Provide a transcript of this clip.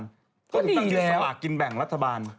ก็ดีแล้วก็ให้ต่างจีนสระกินแบ่งรัฐบาล